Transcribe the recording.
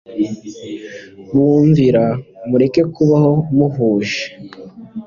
bumvira mureke kubaho muhuje